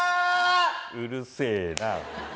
うるせえな。